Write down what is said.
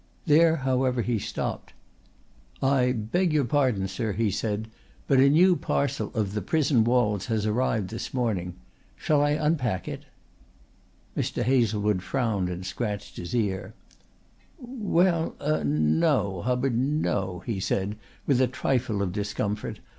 There, however, he stopped. "I beg your pardon, sir," he said, "but a new parcel of The Prison Walls has arrived this morning. Shall I unpack it?" Mr. Hazlewood frowned and scratched his ear. "Well er no, Hubbard no," he said with a trifle of discomfort.